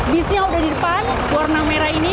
busnya sudah di depan warna merah ini